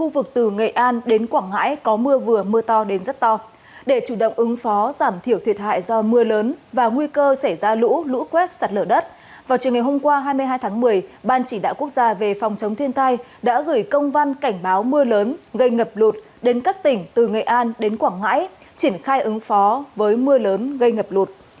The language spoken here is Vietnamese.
vào trường ngày hôm qua hai mươi hai tháng một mươi ban chỉ đạo quốc gia về phòng chống thiên tai đã gửi công văn cảnh báo mưa lớn gây ngập lụt đến các tỉnh từ nghệ an đến quảng hải triển khai ứng phó với mưa lớn gây ngập lụt